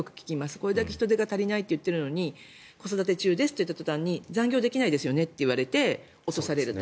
これだけ人手が足りないって言っているのに子育て中ですって言った途端に残業できないですよねって言われて落とされると。